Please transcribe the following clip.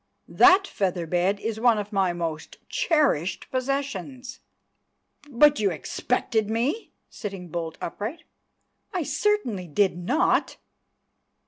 That feather bed is one of my most cherished possessions!" "But you expected me?"—sitting bolt upright. "I certainly did not!"